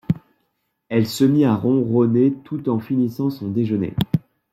Elle se mit à ronronner tout en finissant son déjeuner.